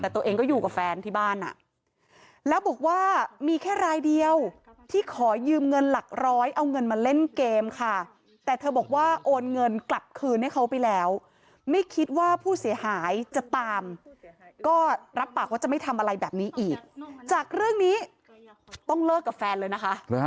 แต่ตัวเองก็อยู่กับแฟนที่บ้านอ่ะแล้วบอกว่ามีแค่รายเดียวที่ขอยืมเงินหลักร้อยเอาเงินมาเล่นเกมค่ะแต่เธอบอกว่าโอนเงินกลับคืนให้เขาไปแล้วไม่คิดว่าผู้เสียหายจะตามก็รับปากว่าจะไม่ทำอะไรแบบนี้อีกจากเรื่องนี้ต้องเลิกกับแฟนเลยนะคะ